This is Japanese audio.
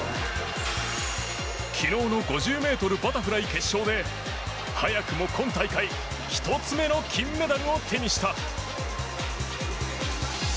昨日の５０ｍバタフライ決勝で早くも今大会１つ目の金メダルを手にした。